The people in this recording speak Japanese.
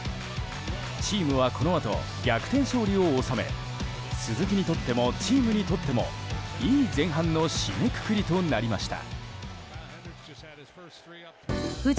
チームは、このあと逆転勝利を収め鈴木にとってもチームにとってもいい前半の締めくくりとなりました。